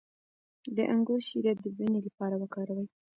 د انګور شیره د وینې لپاره وکاروئ